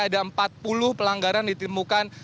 ada empat puluh pelanggaran ditimbulkan